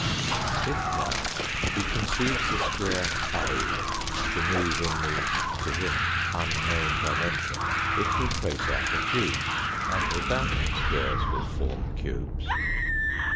If now he conceives the square A to move in the, to him, unknown dimension it will trace out a cube, and the bounding squares will form cubes.